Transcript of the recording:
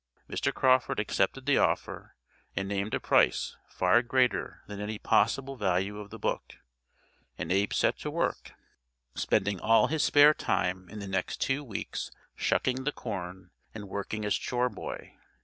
Mr. Crawford accepted the offer and named a price far greater than any possible value of the book, and Abe set to work, spending all his spare time in the next two weeks shucking the corn and working as chore boy.